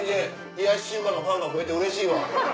冷やし中華のファンが増えてうれしいわ。